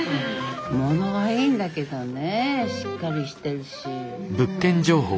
ものはいいんだけどねぇしっかりしてるし。